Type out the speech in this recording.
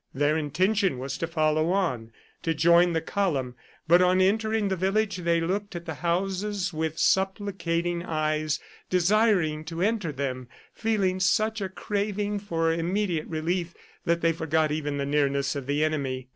Their intention was to follow on, to join the column, but on entering the village they looked at the houses with supplicating eyes, desiring to enter them, feeling such a craving for immediate relief that they forgot even the nearness of the enemy.